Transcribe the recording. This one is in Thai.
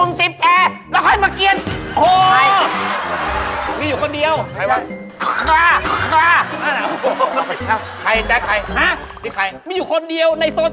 อื้อลูกไม่รู้เอง